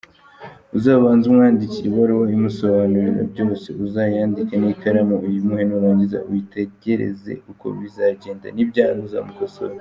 Uzabanze umwandikire ibaruwa imusobanurira byose uzayandike nikaramu uyimuhe nuranyiza utegereze uko bizagenda nibyanga uzamukosore.